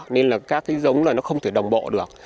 nên là các cái giống là nó không thể đồng bộ được